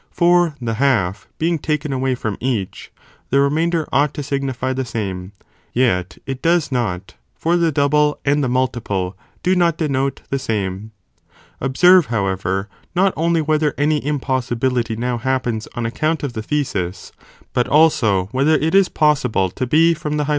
For the half being taken away from each, the remainder ought to signify the same, yet it does not, for the double, and the multiple, do not denote the same. 8. Whether the | Observe however, not only whether any im consequences possibility now happens on account of the thesis, f both, ΤῈ : given hypothe but also whether it is possible to be from the hy CHAP.